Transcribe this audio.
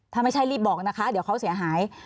ถ้าไม่ใช่รีบบอกนะคะเดี๋ยวเขาเสียหาย